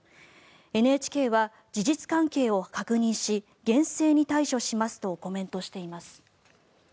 ＮＨＫは事実関係を確認し厳正に対処しますとコメントしています。